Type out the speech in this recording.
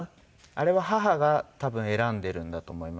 あれは母が多分選んでるんだと思います。